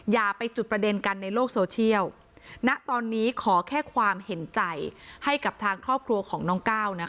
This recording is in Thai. อย่าไปจุดประเด็นกันในโลกโซเชียลณตอนนี้ขอแค่ความเห็นใจให้กับทางครอบครัวของน้องก้าวนะคะ